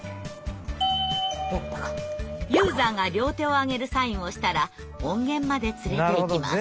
ユーザーが両手をあげるサインをしたら音源まで連れていきます。